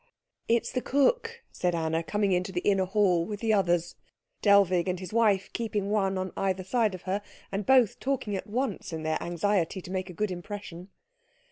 "It's the cook," said Anna, coming into the inner hall with the others, Dellwig and his wife keeping one on either side of her, and both talking at once in their anxiety to make a good impression.